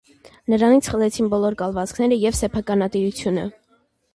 Նրանից խլեցին բոլոր կալվածքները և սեփականատիրությունը։